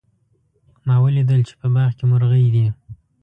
ما ولیدل چې په باغ کې مرغۍ دي